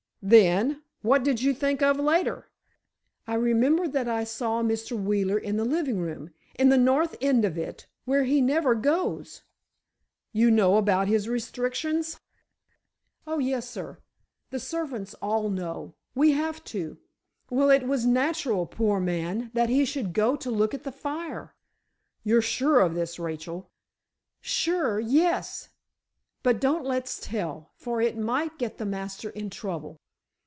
"Then? What did you think of later?" "I remembered that I saw Mr. Wheeler in the living room—in the north end of it—where he never goes——" "You know about his restrictions?" "Oh, yes, sir. The servants all know—we have to. Well, it was natural, poor man, that he should go to look at the fire!" "You're sure of this, Rachel?" "Sure, yes; but don't let's tell, for it might get the master in trouble."